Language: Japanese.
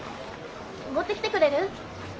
持ってきてくれる？